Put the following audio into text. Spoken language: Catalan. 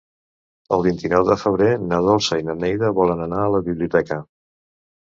El vint-i-nou de febrer na Dolça i na Neida volen anar a la biblioteca.